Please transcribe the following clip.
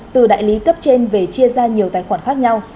từ đại lý cấp trên về chia ra nhiều tài khoản khác nhau